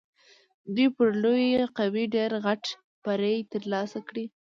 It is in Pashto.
دوی پر لویې قوې ډېر غټ بری تر لاسه کړی.